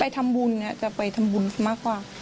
ทำบุญจะไปทำบุญมากกว่า